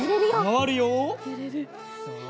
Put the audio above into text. まわるよ。